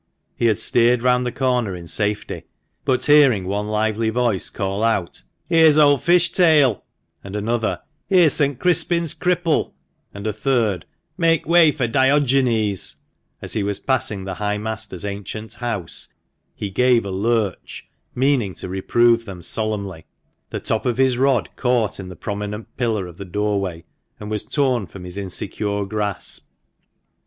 He had steered round the corner in safety; but hearing one lively voice call out, "Here's Old Fishtail;" and another, "Here's St. Crispin's Cripple ;" and a third, " Make way for Diogenes," as he was passing the high master's ancient house he gave a lurch, meaning to reprove them solemnly — the top of his rod caught in the prominent pillar of the doorway, and was torn from his insecure grasp.